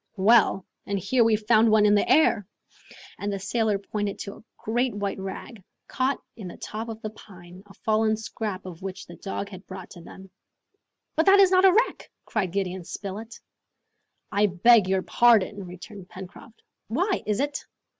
"Well; and here we've found one in the air!" And the sailor pointed to a great white rag, caught in the top of the pine, a fallen scrap of which the dog had brought to them. "But that is not a wreck!" cried Gideon Spilett. "I beg your pardon!" returned Pencroft. "Why? is it